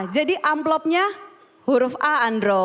amplopnya huruf a andro